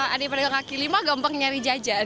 adik pedagang kaki lima gampang nyari jajan